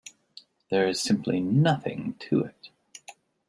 There's simply nothing to it.